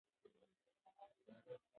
ما دې پګړۍ په سر ګنله